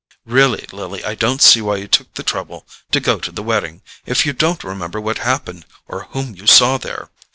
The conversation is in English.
"Really, Lily, I don't see why you took the trouble to go to the wedding, if you don't remember what happened or whom you saw there.